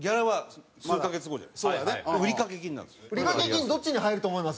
売掛金どっちに入ると思います？